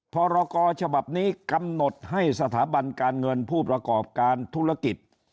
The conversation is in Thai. พรกรฉบับนี้กำหนดให้สถาบันการเงินผู้ประกอบการธุรกิจ